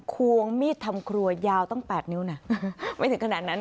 ควงมีดทำครัวยาวตั้ง๘นิ้วนะไม่ถึงขนาดนั้น